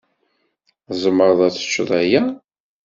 Tzemreḍ ad teččeḍ aya?